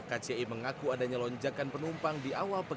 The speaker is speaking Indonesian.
tetapi tadi memang mulai empat tiga puluh sudah mulai ramai